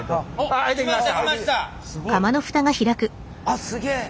あっすげえ。